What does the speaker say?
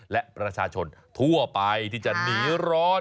และประชาชนทั่วไปที่จะหนีร้อน